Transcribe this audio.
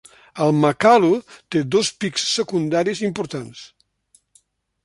El Makalu té dos pics secundaris importants.